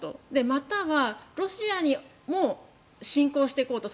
またはロシアにも侵攻していこうと。